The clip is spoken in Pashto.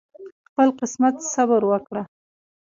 خپل قسمت صبر وکړه